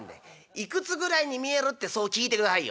いくつぐらいに見えるってそう聞いてくださいよ」。